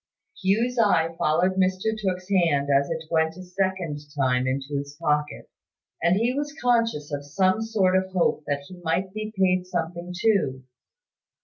Hugh's eye followed Mr Tooke's hand as it went a second time into his pocket; and he was conscious of some sort of hope that he might be paid something too.